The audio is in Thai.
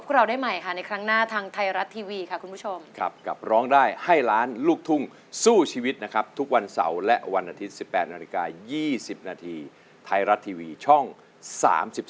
วันนี้ต้องลาไปก่อนนะครับ